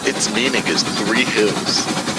Its meaning is "Three Hills".